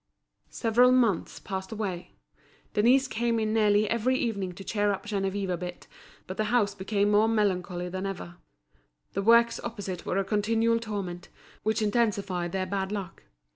Several months passed away. Denise came in nearly every evening to cheer up Geneviève a bit, but the house became more melancholy than ever. The works opposite were a continual torment, which intensified their bad luck.